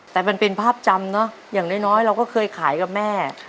แต่มันเป็นภาพจำเนอะอย่างน้อยเราก็เคยขายกับแม่